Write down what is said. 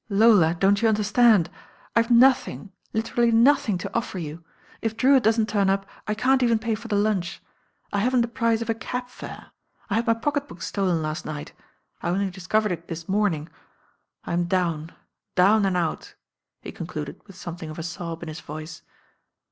"Lola, don't you understand? I've nothing, lit erally nothing to offer you. If Drewitt doesn't turn up, I can't even pay for the lunch. I haven't the price of a cab fare. I had my pocket book stolen last night. I only discovered it this morning. I'm down, down and out," he concluded with something of a sob in his voice.